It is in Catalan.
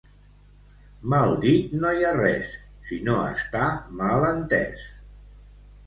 Mal dit no hi ha res, si no està mal entés.